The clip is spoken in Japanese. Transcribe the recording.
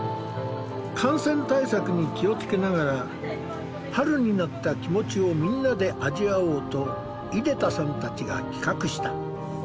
感染対策に気をつけながら春になった気持ちをみんなで味わおうと出田さんたちが企画した。